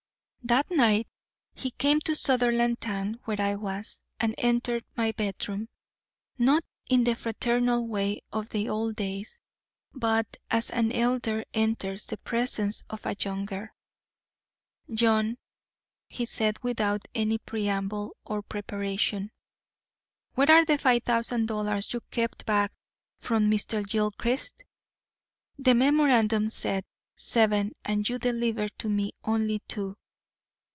That night he came to Sutherlandtown, where I was, and entered my bedroom not in the fraternal way of the old days, but as an elder enters the presence of a younger. 'John,' he said, without any preamble or preparation, 'where are the five thousand dollars you kept back from Mr. Gilchrist? The memorandum said seven and you delivered to me only two.'